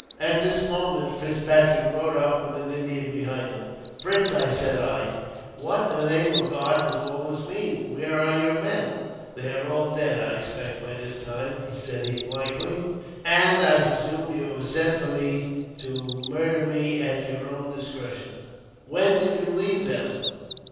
At this moment Fitzpatrick rode up, with an Indian behind him. " Fitz," said I, " what in the name of God does all this mean ? Where are your men ?''" They are all dead, I expect, by this time," said he, blankly ;" and I presume you have sent for me to murder me at your own discretion." "When did you leave them?